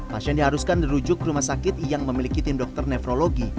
pasien diharuskan dirujuk ke rumah sakit yang memiliki tim dokter nefrologi